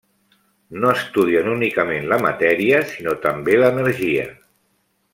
No estudien únicament la matèria sinó també l'energia.